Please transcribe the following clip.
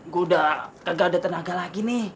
gue udah gak ada tenaga lagi nih